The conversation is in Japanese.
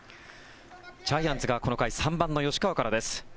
ジャイアンツがこの回、３番の吉川からです。